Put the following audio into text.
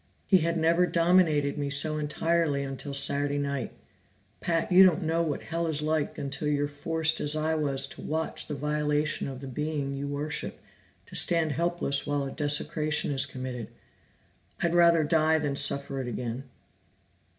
"He had never dominated me so entirely until Saturday night Pat, you don't know what Hell is like until you're forced as I was to watch the violation of the being you worship, to stand helpless while a desecration is committed. I'd rather die than suffer it again!"